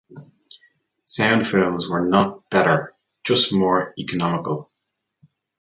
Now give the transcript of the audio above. Sound films were not better, just more economical.